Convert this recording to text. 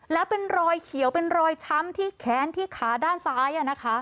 แล้วเป็นรอยเขียวเป็นรอยช้ำที่แค้นที่ขาด้านซ้าย